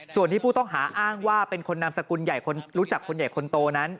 ส่วนที่ผู้ต้องหาอ้างว่าเป็นคนนามสกุลใหญ่คนรู้จักคนใหญ่คนโตนั้น